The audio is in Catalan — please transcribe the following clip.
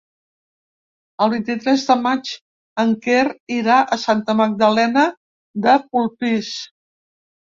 El vint-i-tres de maig en Quer irà a Santa Magdalena de Polpís.